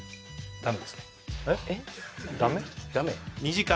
ダメ？